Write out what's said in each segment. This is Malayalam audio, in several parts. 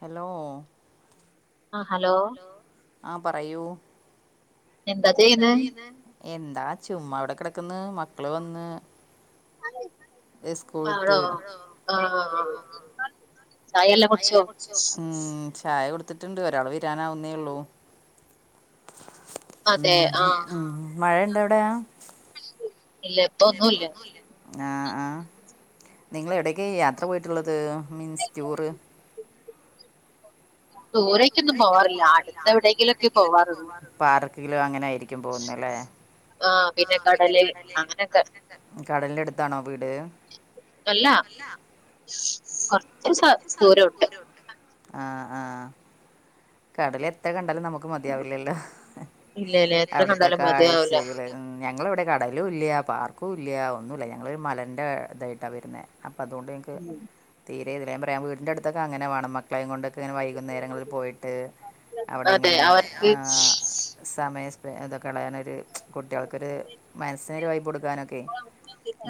ഹലോ ആ ഹലോ ആഹ് പറയൂ എന്താ ചെയ്യുന്നെ എന്താ ചുമ്മാ ഇവിടെ കിടക്കന്ന് മക്കള് വന്ന് ആണോ ആഹ് ആഹ് ചായെല്ലാം കുടിച്ചോ ഉം ചായ കൊട്ത്തിട്ടുണ്ട് ഒരാൾ വരാനാവുന്നേ ഉള്ളൂ. ഉ അത ആഹ് മഴണ്ടവിടെ? ല്ലെ ഇപ്പെന്നുല്ല. ആഹ് ആഹ് നിങ്ങള് എവിടക്കെ യാത്ര പോയിട്ടുള്ളത് മീൻസ് ടൂറ്? ദൂരേക്കൊന്നും പോവാറില്ല അട്ത്ത എവിടെയെങ്കിലൊക്കെ പോവാറുള്ളൂ. പാർക്കിലോ അങ്ങനെ ആയിരിക്കും പോകുന്ന അല്ലേ. ആഹ് പിന്നെ കടല് അങ്ങനക്കെ കടലിനടുത്താണോ വീട്? അല്ല കൊറ്ച്ച് ദൂരണ്ട്. ആഹ് ആഹ്. കടല് എത്ര കണ്ടാലും നമുക്ക് മതിയാവില്ലല്ലോ അവിടത്തെ കാഴ്ചയില്. ഞങ്ങളിവിടെ കടലും ഇല്ല പാർക്കും ഇല്ല ഒന്നുമില്ല ഞങ്ങളൊരു മലൻ്റെ ഇതായിട്ടാണ് വരുന്നത് അപ്പം അതുകൊണ്ട്. തീരെ ഇതില്ല ഞാൻ പറയാ വീടിന്റെ അടുത്തൊക്കെ അങ്ങനെ വാണം മക്കളെയും കൊണ്ടൊക്കെ ഇങ്ങന വൈകുന്നേരങ്ങളിൽ പോയിട്ട്. ട്ട് അവിടെ ഇങ്ങനെ ആഹ് സമയം സ്പെ ഇതൊക്കെ കളയാനൊരു. കുട്ടിൾക്കൊരു മനസ്സിനെരു വൈബ്ടുക്കാനൊക്കെ.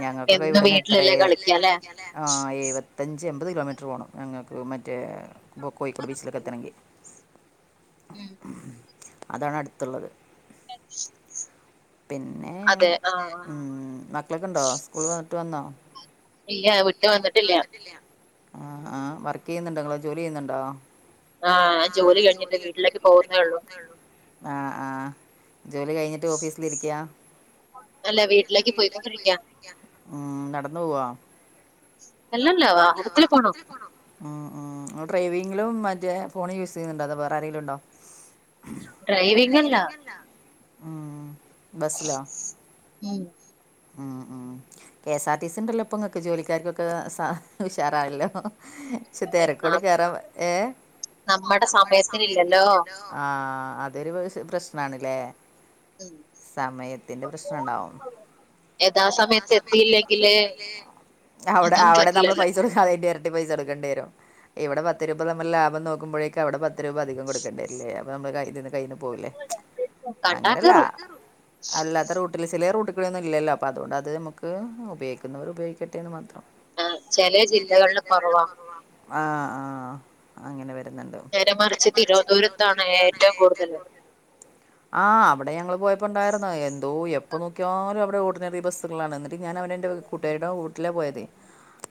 ഞങ്ങൾക്കൊക്കെ ഇവിടന്ന് എത്ര ആഹ് എഴുപത്തഞ്ച് എൺപത് കിലോമീറ്റർ പോകണം ഞങ്ങൾക്ക് മറ്റേ കോഴിക്കോട് ബീച്ചിലേക്കെ എത്തണമെങ്കിൽ. ഉം. അതാണ് അട്ത്തുള്ളത്. [inaudible] പിന്നെ അതെ ഉം മക്കളൊക്കെ ഇണ്ടോ സ്കൂൾ വന്നിട്ട് വന്നോ? ഇല്ല വിട്ട് വന്നിട്ടില്ല ആഹ് വർക്ക് ചെയ്യുന്നുണ്ടേങ്ങൾ ജോലി ചെയ്യുന്നുണ്ടോ? ആഹ് ഞാന് ജോലി കഴിഞ്ഞിട്ട് വീട്ടിലേക്ക് പോകുന്നേ ഉള്ളൂ. ആഹ് ആഹ് ജോലി കഴിഞ്ഞിട്ട് ഓഫീസിലിരിക്കാ? വിട്ടിലേക്ക് പോയി കെണ്ടിരിക്ക ഉം നടന്നു പോവോ? അല്ലല്ല വാ അരത്തില് പോണം. ഉം ഉം ഡ്രൈവിങ്ങിലും മറ്റേ ഫോണും യൂസ് ചെയ്യുന്നുണ്ടോ അതോ വേറെ ആരെങ്കിലുംണ്ടോ? ഡ്രൈവിങ് അല്ല ഉം ബസിലോ? ഉം. മ് മ്മ്. K S R T C ണ്ടല്ലോ ഇപ്പങ്ങക്ക് ജോലിക്കാർക്കൊക്കെ സ ഉഷാറാണല്ലോ. പക്ഷെ തേരക്കോട് കേറാ ഏ നമ്മടെ സമയത്തിനില്ലല്ലോ? ആഹ് അതൊരു പ്രശ്നാണല്ലേ? സമയത്തിന്റെ പ്രശ്നംണ്ടാവും. ഇതാ സമയത്ത് എത്തില്ലെങ്കില് അവ്ടെ അവിടെ നമ്മള് പൈസ കൊടുക്കാ പൈസ കൊടുക്കേണ്ടി വരും ഇവിടെ പത്ത് രൂപ നമ്മ ലാഭം നോക്കുപോഴേക്കും അവിടെ പത്ത് രൂപ അധികം കൊടുക്കണ്ടിര്ല്ലേ. നമ്മള് കയ് കയ്യീന്ന് പോയില്ലേ അങ്ങനെയല്ല അല്ലാത്തരു. വീട്ടിൽ ചില റൂട്ടുകളൊന്നും ഇല്ലല്ലോ അപ്പ അതൊണ്ട് അത് നമുക്ക് ഉപയോഗിക്കുന്നവർ ഉപയോഗിക്കട്ടെ എന്ന് മാത്രം. ആഹ് ചെലെ ജില്ലകളില് കെറവാ. ആഹ് ആഹ് അങ്ങനെ വരുന്നുണ്ട്. നേരെ മറിച്ച് തിരുവനന്തപുരത്താണ് ഏറ്റവും കൂടുതൽ. ആഹ് അവിടെ ഞങ്ങൾ പോയപ്പോ ഉണ്ടായിരുന്നു എന്തോ എപ്പോ നോക്കിയാലും അവിടെ ഓ ദിവസ്ക്കളാണ് ന്നിട്ട് ഞാൻ അവൻ എന്റെ കുട്ടാരീടെ വീട്ടിലാ പോയത്.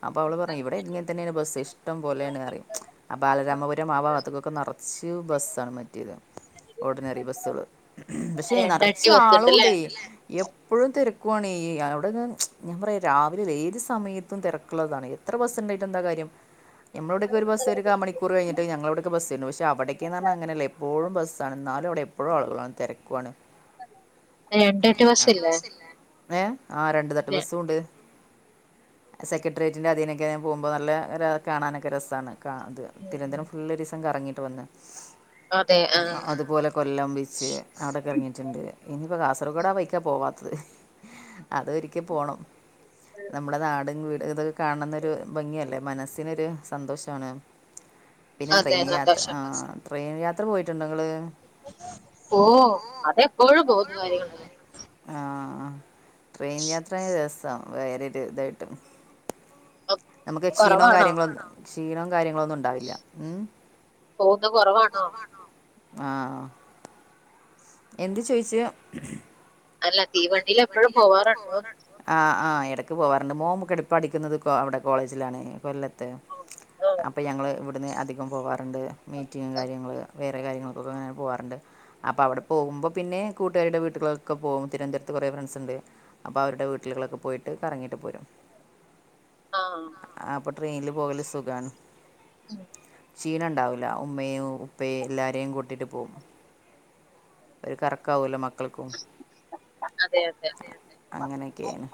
അപ്പം അവള് പറയും ഇവിടെ ഇങ്ങിനെ തന്നെയാണ് ബസ് ഇഷ്ടം പോലെയാണ്റിയും. ആഹ് ബാലരാമപുരം ആഹ് ഭാഗത്തേക്കൊക്കെ നറ്ച്ച് ബസ്സാണ് മറ്റേത്. ഓർഡിനറി ബസ്സുകള് പക്ഷേ നറ്ച്ചു ആളുണ്ടേ എപ്പഴും തിരക് നിക്കുവാണെ അവിടുന്ന് ഞാൻ ഞാൻ പറയുവാ രാവിലെ വെയില് സമയത്തും തെരക്കുള്ളതാണ് എത്ര ബസ്സുണ്ടായിട്ട് എന്താ കാര്യം ഞമ്മടെ ഇവിടൊക്കെ ഒരു ബസ് ഒരു കാൽ മണി ക്കൂറ് കഴിഞ്ഞിട്ട് ഞങ്ങടെ അവിടേക്ക്‌ ബസിന്നു പക്ഷേ അവിടേക്കെന്ന് പറഞ്ഞാ അങ്ങനല്ല എപ്പോഴും ബസ്സാണ്‌ എന്നാലും അവിടെ എപ്പഴും തെരക്കുവാണ് രണ്ട് തട്ട് ബസില്ലേ ഏഹ് ആഹ് രണ്ട്‌ തട്ട് ബസും ഉണ്ട് സെക്രട്ടേറിയേറ്റിൻ്റെ അതീനൊക്കെ ഞാൻ പോകുമ്പം നല്ല രെ കാണാനൊക്കെ രസാണ് കാ അത് തിരുവനന്തപുരം ഫുള്ള് ഒര് ദിവസം കറങ്ങീട്ട് വന്നു അതുപോലെ കൊല്ലം ബീച്ച് അവിടൊക്കെ കറങ്ങീട്ടുണ്ട് ഇനിയിപ്പോ കാസർഗോഡ്‌ ആ വഴിക്കാ പോവാത്തത് അത് ഒരിക്കൽ പോണം നമ്മുടെ നാടും വീടും ഇത് കാണുന്നൊരു ഭംഗിയല്ലേ മനസ്സിനൊരു സന്തോഷാണ് പിന്നെ ട്രെയിൻ യാത്ര ആഹ് ട്രെയിൻ യാത്ര പോയിട്ടുണ്ടോ നിങ്ങള് ഓ അതെപ്പോഴും പോന്ന കാര്യങ്ങളല്ലേ ആഹ് ട്രെയിൻ യാത്ര രസവാ വേറൊരു ഇതായിട്ടും നമുക്ക് ക്ഷീണവും കാര്യങ്ങളും ഒന്നും ക്ഷീണവും കാര്യങ്ങളും ഒന്നും ഉ ണ്ടാവില്ല ഉം ആഹ് എന്തു ചോയിച്ച് അല്ല തീവണ്ടിയില് എപ്പഴും പോവാറുണ്ടോന്ന് ആഹ് ആഹ് എടക്ക് പോവാറുണ്ട് മോൻ കെടപ്പ പഠിക്കുന്നത് കോ അവിടെ കോളേജിലാണേ കൊല്ലത്ത് അപ്പം ഞങ്ങള് ഇവിടുന്ന് അധികം പോവാറുണ്ട് മീറ്റിംഗും കാര്യങ്ങള് വേറെ കാര്യങ്ങൾക്കൊക്കെ അങ്ങനെ പോവാറുണ്ട് അപ്പ അവിടെ പോകുമ്പം പിന്നെ കൂട്ടുകാരുടെ വീട്ടുകളിലൊക്കെ പോകും തിരുവനന്തപുരത്ത് കുറേ ഫ്രണ്ട്സുണ്ട് അപ്പ അവരുടെ വീട്ടുകളിലൊക്കെ പോയിട്ട് കറങ്ങീട്ട് പോരും [inaudible] ആഹ് അപ്പ ട്രെയിനില് പോകല് സുഖാണ് ക്ഷീണം ഉണ്ടാവില്ല ഉമ്മയേയും ഉപ്പയേയും എല്ലാരേയും കൂട്ടീട്ട് പോവും ഒരു കറക്കം ആവൂല്ലോ മക്കൾക്കും അങ്ങനൊക്കെയാണ്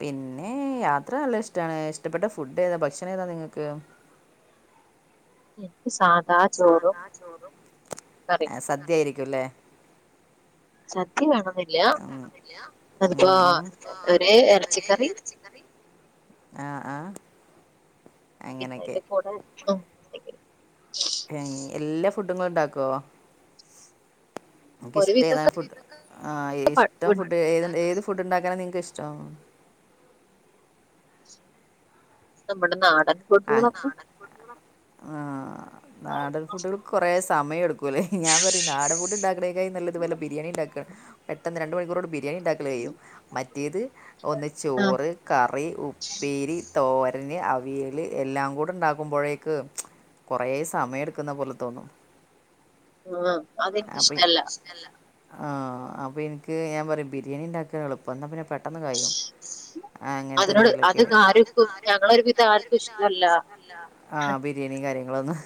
പിന്നെ യാത്ര നല്ല ഇഷ്ടാണ് ഇഷ്ടപ്പെട്ട ഫുഡ് ഏതാ ഭക്ഷണം ഏതാ നിങ്ങക്ക് എനിക്ക് സാധാ ചോറും കറിയും സദ്യ ആയിരിക്കും അല്ലേ സദ്യ വേണോന്നില്ല അതിപ്പോ ഒരേ എറച്ചിക്കറി ആഹ് ആഹ് പിന്നെ അതിന്റെ കൂടെ എന്തെങ്കിലും ഏഹ് എല്ലാ ഫുഡും നിങ്ങള് ഉണ്ടാക്കുവോ നിങ്ങക്ക് ഇഷ്ടം ഏതാ ഫുഡ് ആ ഇഷ്ടം ഫുഡ് ഏത് ഏത് ഫുഡ് ഉണ്ടാക്കാനാ നിങ്ങക്കിഷ്ടം നമ്മുടെ നാടൻ ആഹ് ആഹ് നാടൻ ഫുഡ്ഡുകൾക്ക് കൊറേ സമയം എടുക്കൂല്ലേ ഞാൻ പറയും നാടൻ ഫുഡ്‌ ഉണ്ടാക്കണേൽ കാലും നല്ലത് വല്ല ബിരിയാണി ഇണ്ടാ ക്കുക പെട്ടെന്ന് രണ്ട് മണിക്കൂറ് കൊണ്ട് ബിരിയാണി ഉണ്ടാക്കല് കഴിയും മറ്റേത് ഒന്ന് ചോറ് കറി ഉപ്പേരി തോരന് അവിയല് പുള്ളി എല്ലാം കൂടെ ഉണ്ടാക്കുമ്പോഴേക്ക് കൊറെ സമയം എടുക്കുന്ന പോലെ തോന്നും ആഹ് അതെനിക്ക് ഇഷ്ടല്ല ആഹ് അപ്പ എനിക്ക് ഞാൻ പറയും ബിരിയാണി ഉണ്ടാക്കാൻ എളുപ്പവാ എന്നാ പിന്നെ പെട്ടെന്ന് കഴിയും അതിനോട് അത് കാരിക്കും ഞങ്ങളൊരു വിധം ആഹ് ആഹ് ബിരിയാണിയും കാര്യങ്ങളൊന്നും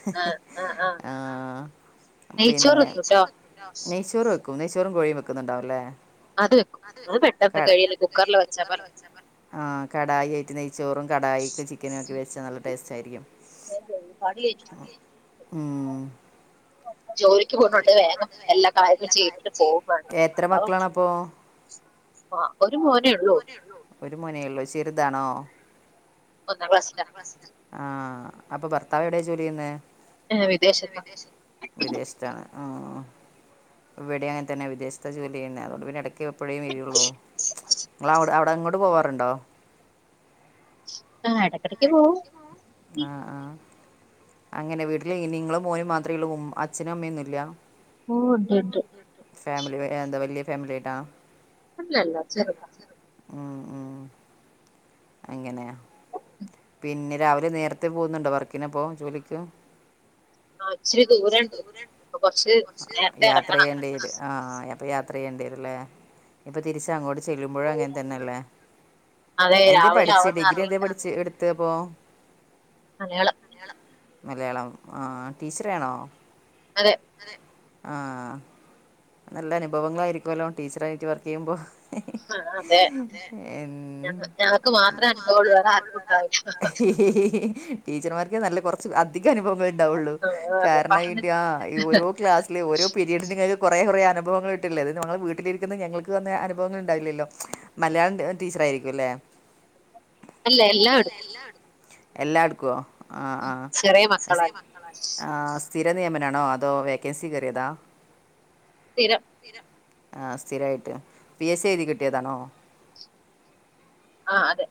ആഹ് പിന്നെ നെയ് നെയ്ച്ചോറു വെക്കും നെയ്ച്ചോറും കോഴിയും വെക്കുന്നുണ്ടാവല്ലേ അത് വെക്കും അത് പെട്ടെന്ന് കഴിയില്ലേ കുക്കറിലെ വെച്ചാ ആ കടായി ആയിട്ട് നെയ്ച്ചോറും കടായിക്കും ചിക്കനും ഒക്കെ വെച്ചാൽ നല്ല ടേസ്റ്റ് ആയിരിക്കും. ഉം [inaudible] ജോലിക്ക് പോണോണ്ട് വേഗം എല്ലാ കാര്യങ്ങളും ചെയ്തിട്ട് പോവും വേണം അ ആ ഒരു മോനെ ഉള്ളൂ. ഒരു മോനേ ഉള്ളൂ ചെറുതാണോ? ഒന്നാം ക്ലാസില. ആ അപ്പൊ ഭർത്താവ് എവിടെയാ ജോലി ചെയ്യുന്നേ? ആ ഇവിടെ അങ്ങനെ തന്നെ വിദേശത്ത ജോലി ചെയ്യുന്ന അതുകൊണ്ട് പിന്നെ ഇടക്ക് എപ്പൊഴേമ് വരു ഒള്ളൂ നിങ്ങവിടെ അവിടെ അങ്ങോട്ട് പോവാറുണ്ടോ? ആ എടയ്ക്കിടക്ക് പോവും. ആ ആ അങ്ങനെ വീട്ടിൽ നിങ്ങളും മോനും മാത്രമേ ഉള്ളൂ ഉ അച്ഛനും അമ്മയൊന്നും ഇല്ല? ഓ ഉണ്ട്ണ്ട്. ഫാമിലി എന്താ വലിയ ഫാമിലിയായിട്ടാ? ഉം ഉം അങ്ങനെയാ. പിന്നെ രാവിലെ നേരത്തെ പോകുന്നുണ്ടോ വർക്കിനപ്പോ ജോലിക്ക്? ആ ഇച്ചിരി ദൂരം ഉണ്ട് അപ്പൊ കൊറച്ച് നേരത്തെ ഇറങ്ങണം. ആ എപ്പ യാത്ര ചെയ്യേണ്ടി വരുല്ലേ? ഇപ്പൊ തിരിച്ച് അങ്ങോട്ട് ചെല്ലുമ്പോഴും അങ്ങൻ തന്നെല്ലേ? എന്തേ പഠിചേ ഡിഗ്രി എന്തേ പഠിച്ചേ? വച്ച് എടുത്തേ പ്പോ? മലയാളം. മലയാളം ആ ടീച്ചറ് ആണോ? അതെ. ആ നല്ല അനുഭവങ്ങളായിരിക്കുവല്ലോ ടീച്ചർ ആയിട്ട് വർക്ക് ചെയ്യുമ്പോ? ആ അതെ ഞങ്ങക്ക് മാത്രേ അനുഭവുള്ളൂ വേറെ ആർക്കുംണ്ടാവുല. ടീച്ചർമാർക്ക് നല്ല കുറച്ച് അധിക അനുഭവങ്ങള് ണ്ടാവൊള്ളു കാരണം കിട്ട്യാ ഓരോ ക്ലാസ് ഓരോ പിരീഡ് നിങ്ങൾക്ക് കുറെ കുറെ അനുഭവങ്ങൾ ഇട്ടില്ലേ അത് ഞങ്ങള് വീട്ടിലിരിക്ക്ന്ന ഞങ്ങൾക്ക് വന്ന അനുവങ്ങൾ ഉണ്ടാവില്ലല്ലോ? മലയാളം ട് ടീച്ചറായിരിക്കും അല്ലേ? അല്ല എല്ലാം എടുക്കും. എല്ലാ എടുക്കുവോ? ചെറിയ മക്കളാണ്. ആ സ്ഥിര നിയമനാണോ അതോ വേക്കൻസി കേറിയതാ? സ്ഥിരം. ആ സ്ഥിരായിട്ട് പി എ സ്സി എഴുതി കിട്ടിയതാണോ? ആ അതെ.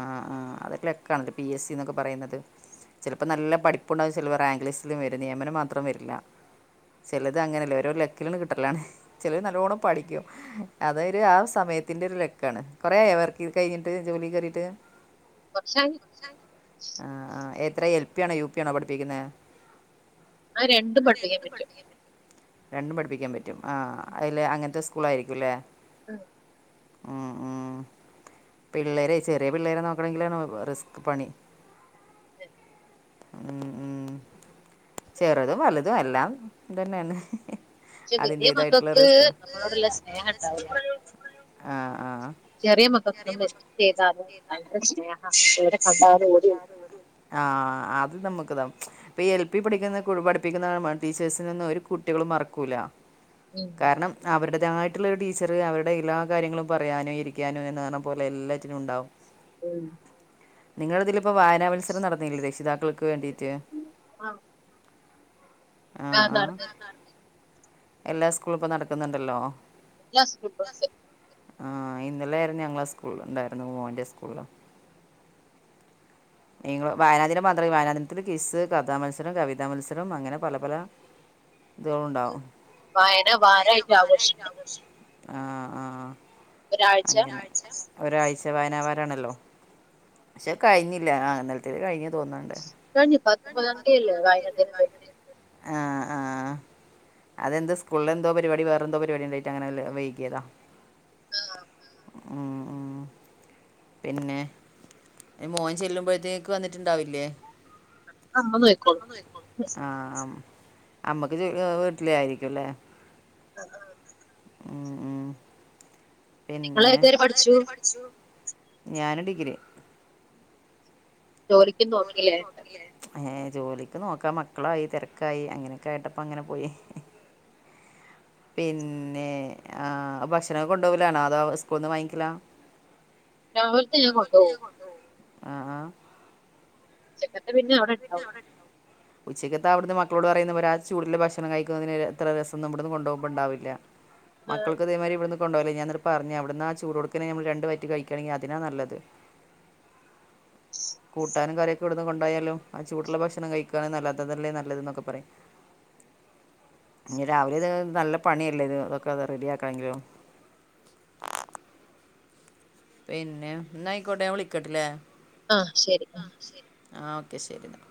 ആ ആ അതൊക്കെ ലക്കാണല്ലോ പി എസ് സി ന്നൊക്കെ പറയുന്നത്. ചിലപ്പോ നല്ല പഠിപ്പുണ്ടാവും ചിലർ റാങ്ക് ലിസ്റ്റിലും വരും നിയമനം മാത്രം വരില്ല. ചിലത് അങ്ങനെയല്ലേ ഓരോ ലക്കില്ണ്ട് കിട്ടലാണ് ചിലര് നല്ലോണം പഠിക്കും. അതൊരു ആ സമയത്തിന്റെ ഒരു ല ക്കാണ് കുറെ ആയോ വർക്കിൽ കൈഞ്ട്ട് ജോലി കേറീട്ട്? കൊർച്ചായി. ആ ആ എത്ര എൽപി ആണോ യു പി ആണോ പഠിപ്പിക്കുന്നേ? ആഹ് രണ്ടും പഠിപ്പിക്കാൻ പറ്റും. രണ്ടും പഠിപ്പിക്കാൻ പറ്റും ആഹ് അതില്ല അങ്ങനത്തെ സ്കൂൾ ആയിരിക്കുംല്ലേ? ആഹ് ഉം ഉം പിള്ളേരെ ചെറിയ പിള്ളേരെ നോക്ക. വല്യ റിസ്ക് പണി ഉം ഉം ചെറുതും വലുതും എല്ലാം ഇത് തന്നെയാണ്. പക്ഷെ വലിയ മക്കൾക്ക് നമ്മളോടുള്ള സ്നേഹം ഉണ്ടാവൂല്ല. ആഹ് ആഹ് ചെറിയ മക്കൊക്കെ നമ്മൾ ചെയ്താലു ഭയങ്കര സ്നേഹ ആഹ് അത് നമുക്ക്താ ഇപ്പ ഈ എൽ പി പഠിക്കുന്ന പഠിപ്പിക്കുന്ന ടീച്ചേഴ്സിനൊന്നും ഒരു കുട്ടികളും മറക്കൂല. ഉം കാരണം അവരുടേതായിട്ടുള്ളൊരു ടീച്ചർ അവരുടെ എല്ലാ കാര്യങ്ങളും പറയാനോ ഇരിക്കാനോ എന്ന് പറഞ്ഞ പോലെ എല്ലാറ്റനും ഉണ്ടാാവും. ഉം നിങ്ങള് ഇതില് ഇപ്പോ വായനാവത്സരം നടന്നില്ലേ രക്ഷിതാക്കൾക്ക് വേണ്ടിട്ട്? ആഹ് ആഹ് എല്ലാ സ്കൂളും ഇപ്പൊ നടക്കുന്നുണ്ടല്ലോ? [unintelligible] ആഹ് ഇന്നലെ ആയിരുന്നു ഞങ്ങളുടെ സ്കൂളിൽ ഉണ്ടായിരുന്നു മോൻ്റെ സ്കൂളിൽ. നിങ്ങൾ വായനാദിനം മാത്രമേ വായനാദിനത്തിൽ കിസ്, കഥാ മത്സരം, കവിതാ മത്സരം, അങ്ങനെ പല പല ഇതുണ്ടാവും. ആഹ്ആഹ് അങ്ങനെ ഒരാഴ്ച വായനാവാരം ആണല്ലോ? പക്ഷെ കഴിഞ്ഞില്ല ആ ഇന്നലത്തേ ലിൽ കഴിഞ്ഞ് തോന്നുന്നുണ്ട്. കഴിഞ്ഞ പത്തൊമ്പതാം തീയതിയല്ലേ വായനാ ദിനം കഴിഞ്ഞേ? ആഹ് ആഹ് അതെന്ത് സ്കൂളില് എന്തോ പരിപാടി വേറെ എന്തോ പരിപാടി ഉണ്ടായിട്ട് അങ്ങനെ വൈക്കിയതാ. ആഹ് ഉം ഉം പിന്നെ? മോൻ ചെല്ലുമ്പോഴത്തേക്ക് വന്നിട്ടുണ്ടാവില്ലേ? ആഹ് അമ്മക്ക് വീട്ടില് ആയിരിക്കുംല്ലേ? ആഹ് ആ പിന്നെ നിങ്ങളെത് വരെ പഠിച്ചു? ഞാന് ഡിഗ്രി. ചോറി- ജോലിക്ക് നോക്കില്ലായിരുന്നോ? ഏഹ് ജോലിക്ക് നോക്കാംമക്കളായി, തിരക്കായി, അങ്ങനെയൊക്കെ ആയിട്ടപ്പ അങ്ങനെ പോയി. പിന്നെ ആ ഭക്ഷണം കൊണ്ടുപോകലാണോ? അതോ സ്കൂളന്ന് വാങ്ങിക്കല? കൊണ്ടോവും ആ ആഹ് ചെന്നിട്ട് പിന്നെ അവിടെ ഉണ്ടാവും. ഉച്ചയ്ക്ക്ത്തെ അവിടുത്തെ മക്കളോട് പറയുന്ന പോലെ ആ ചൂടുള്ള ഭക്ഷണം കഴിക്കുന്നതിന് എത്ര രസം നമ്മടെത് കൊണ്ടുപോ ഉണ്ടാവില്ല മക്കൾക്ക് അതേമാതിരി ഇവിടുന്ന് കൊണ്ട് പോകല്ല ഞാനി പറഞ്ഞേ അവിടുന്നാ ആ ചൂടടുക്കുന്നെ നമ്മള് രണ്ട് വറ്റി കഴിക്കുകണെങ്കിൽ അതിനാ നല്ലത്. കൂട്ടാനും കറിയൊക്കെ ഇവിടുന്ന് കൊണ്ടായാലും അ ചൂടുള്ള ഭക്ഷണം കഴിക്കാൻ അതല്ലേ നല്ലത് എന്നൊക്കെ പറയും. ഇഞ് രാവിലെ അത് നല്ല പണിയല്ലേ ഇത് അതെക്കെ അത് റെഡിയാ ക്കണെങ്കിലും പിന്നെ ഇന്നായിക്കോട്ടെ ഞാൻ വിളിക്കട്ട്ല്ലേ? ആ ശരി ആ ഓക്കെ ശെരി ഇന്നാ.